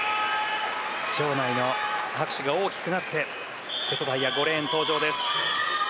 場内の拍手が大きくなって瀬戸大也、５レーンに登場です。